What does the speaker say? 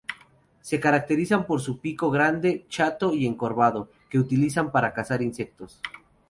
Se caracterizan por su pico, grande, chato y encorvado, que utilizan para cazar insectos.